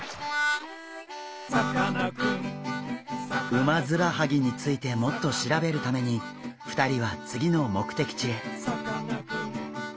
ウマヅラハギについてもっとしらべるために２人はつぎのもくてきちへ。